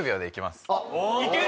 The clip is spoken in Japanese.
いける？